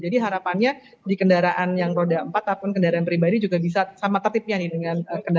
jadi harapannya di kendaraan yang roda empat ataupun kendaraan pribadi juga bisa sama tertibnya nih dengan kendaraan roda dua